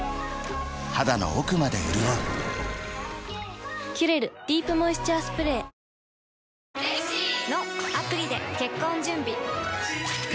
肌の奥まで潤う「キュレルディープモイスチャースプレー」すみません。